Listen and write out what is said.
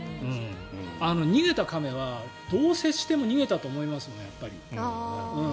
逃げた亀は、どう接しても逃げたと思いますね。